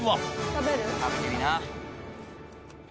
食べてみな。